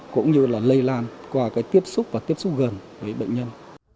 cũng như lây lan qua tiếp xúc và tiếp xúc gần với bệnh nhân